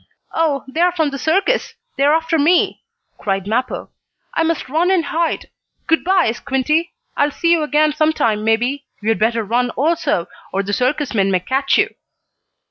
"Oh, they're from the circus! They're after me!" cried Mappo. "I must run and hide. Good by, Squinty. I'll see you again sometime, maybe. You had better run, also, or the circus men may catch you."